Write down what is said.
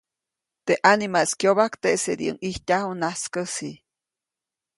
Teʼ ʼanimaʼis kyobajk teʼsediʼuŋ ʼijtyaju najskäsi.